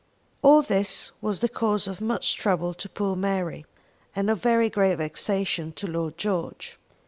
All this was the cause of much trouble to poor Mary, and of very great vexation to Lord George.